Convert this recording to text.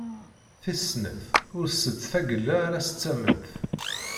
Tis snat: ur tett tagella ala s tamment.